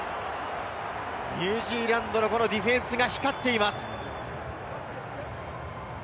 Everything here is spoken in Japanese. ニュージーランドのディフェンスが光っています。